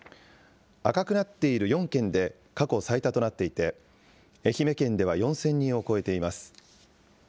赤くなっている４県で過去最多となっていて、愛媛県では４０００人を超えています。